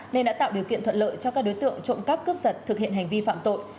nên đã tạo điều kiện thuận lợi cho các đối tượng trộm cắp cướp giật thực hiện hành vi phạm tội